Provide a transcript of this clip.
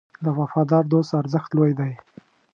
د وفادار دوست ارزښت لوی دی.